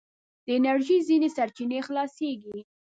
د انرژي ځينې سرچينې خلاصیږي.